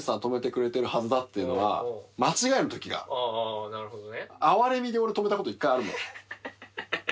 ああなるほどね。